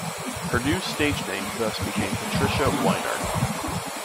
Her new stage name thus became Patrecia Wynand.